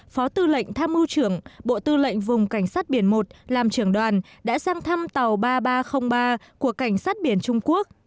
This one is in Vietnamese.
phó tư lệnh tham mưu trưởng bộ tư lệnh vùng cảnh sát biển một làm trưởng đoàn đã sang thăm tàu ba nghìn ba trăm linh ba của cảnh sát biển trung quốc